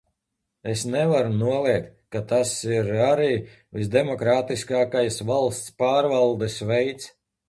Es nevaru noliegt, ka tas ir arī visdemokrātiskākais valsts pārvaldes veids.